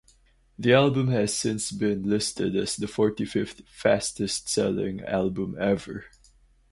The album has since been listed as the forty fifth fastest-selling album ever.